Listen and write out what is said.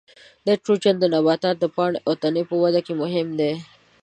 نایتروجن د نبات د پاڼې او تنې په وده کې مهم دی.